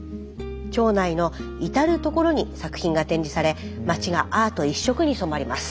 町内の至る所に作品が展示され町がアート一色に染まります。